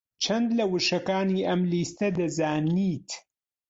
چەند لە وشەکانی ئەم لیستە دەزانیت؟